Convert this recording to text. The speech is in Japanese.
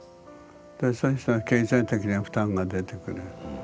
そしたら経済的な負担が出てくる。